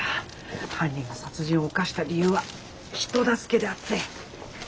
犯人が殺人を犯した理由は人助けであって。